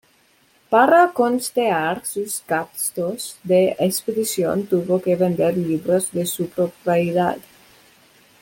Para costear sus gastos de expedición tuvo que vender libros de su propiedad.